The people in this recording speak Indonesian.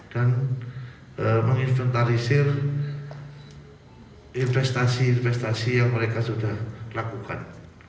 dan menginventarisasi investasi investasi yang mereka sudah lakukan